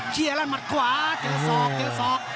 เชียร์แล้วมันกวาดเก๋วสอกเก๋วสอก